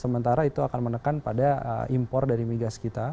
sementara itu akan menekan pada impor dari migas kita